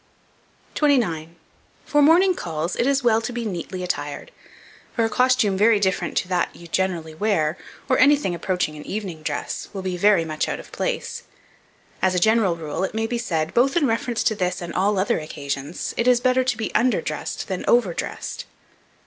29. FOR MORNING CALLS, it is well to be neatly attired; for a costume very different to that you generally wear, or anything approaching an evening dress, will be very much out of place. As a general rule, it may be said, both in reference to this and all other occasions, it is better to be under dressed than over dressed.